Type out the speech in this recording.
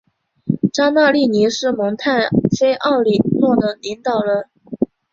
扎纳利尼是蒙泰菲奥里诺的领导人。